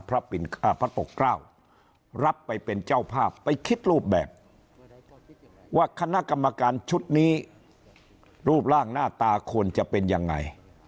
พระปกเกล้ารับไปเป็นเจ้าภาพไปคิดรูปแบบว่าคณะกรรมการชุดนี้รูปร่างหน้าตาควรจะเป็นยังไง